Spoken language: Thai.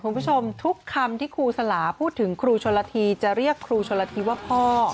คุณผู้ชมทุกคำที่ครูสลาพูดถึงครูชนละทีจะเรียกครูชนละทีว่าพ่อ